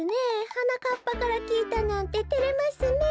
はなかっぱからきいたなんててれますねえ。